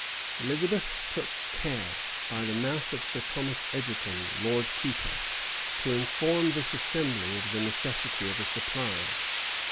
Elizabeth took care, by the mouth of Sir Thomas Egerton, lord keeper, to inform this assembly of the necessity of a supply.